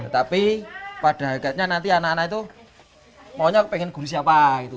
tapi pada akhirnya nanti anak anak itu maunya pengen guru siapa gitu